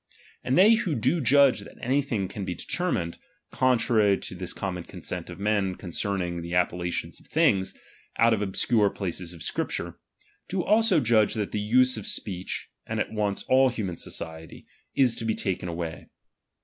And they who do judge that anything can be determined, contrary to this common cousent of men concern ing the appellations of things, out of obscure places of Scripture ; do also judge that the use of speech, and at once all human society, is to be taken away.